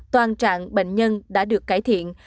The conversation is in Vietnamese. toàn trạng bệnh nhân đã được cải thiện